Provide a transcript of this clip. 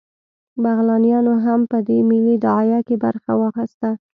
بغلانیانو هم په دې ملي داعیه کې برخه واخیسته